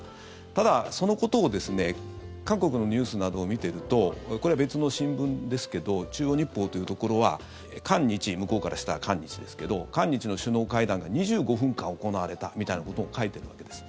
ただ、そのことを韓国のニュースなどを見ているとこれは別の新聞ですけど中央日報というところは韓日向こうからしたら韓日ですけど韓日の首脳会談が２５分間行われたみたいなことを書いているわけです。